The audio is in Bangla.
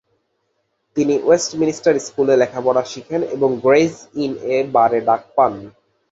তিনি ওয়েস্টমিনিস্টার স্কুলে লেখাপড়া শেখেন এবং গ্রে’জ ইন-এর বারে ডাক পান।